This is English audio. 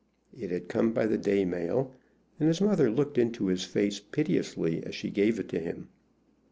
It had come by the day mail, and his mother looked into his face piteously as she gave it to him.